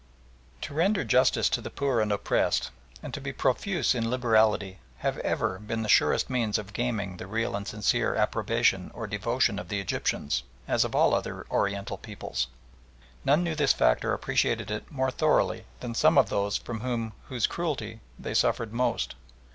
To render justice to the poor and oppressed, and to be profuse in liberality, have ever been the surest means of gaming the real and sincere approbation or devotion of the Egyptians, as of all other Oriental peoples. None knew this fact or appreciated it more thoroughly than some of those from whose heartless cruelty they suffered most.